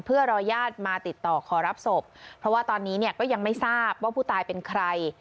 เพื่อรอญาติมาติดต่อขอรับศพเพราะว่าตอนนี้เนี่ยก็ยังไม่ทราบว่าผู้ตายเป็นใคร